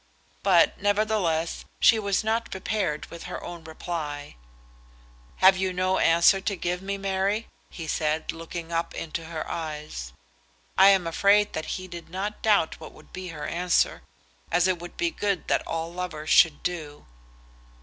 But, nevertheless, she was not prepared with her reply. "Have you no answer to give me, Mary?" he said, looking up into her eyes. I am afraid that he did not doubt what would be her answer, as it would be good that all lovers should do.